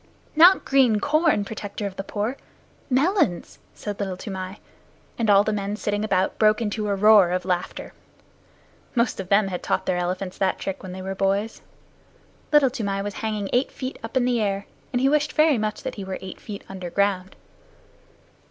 "Not green corn, Protector of the Poor, melons," said Little Toomai, and all the men sitting about broke into a roar of laughter. Most of them had taught their elephants that trick when they were boys. Little Toomai was hanging eight feet up in the air, and he wished very much that he were eight feet underground.